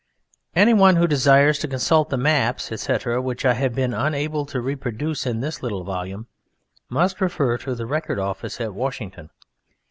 Any one who desires to consult the maps, etc., which I have been unable to reproduce in this little volume, must refer to the Record Office at Washington.